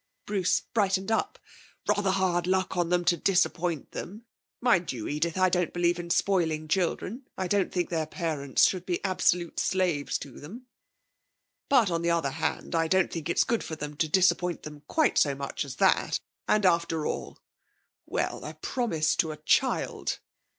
Bruce brightened up. 'Rather hard luck on them to disappoint them. Mind you, Edith, I don't believe in spoiling children. I don't think their parents should be absolute slaves to them; but, on the other hand, I don't think it's good for them to disappoint them quite so much as that; and, after all well, a promise to a child!'